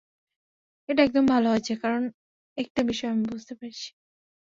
এটা একদম ভালো হয়েছে, কারণ একটা বিষয় আমি বুঝতে পেরেছি।